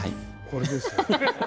これですよ。